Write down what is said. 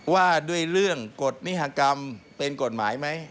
ว่าด้วยเรื่องกฎนิหากรรมเป็นกฎหมายไหม